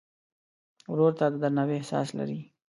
ورور ته د درناوي احساس لرې.